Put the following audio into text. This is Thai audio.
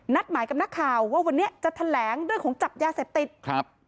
หมายกับนักข่าวว่าวันนี้จะแถลงเรื่องของจับยาเสพติดครับ